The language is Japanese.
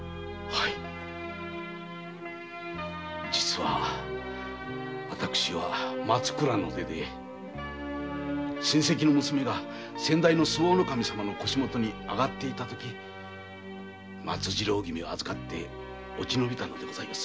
実は私は松倉の出で親せきの娘が先代の周防守様の腰元にあがっていた時松次郎君を預かって落ちのびたのです。